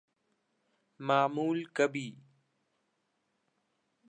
معمول کبھی ‘‘۔